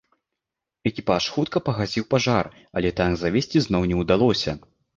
Экіпаж хутка пагасіў пажар, але танк завесці зноў не удалося.